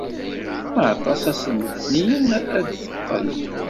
Ma aṭas, ass n letniyen ad d-teqqel.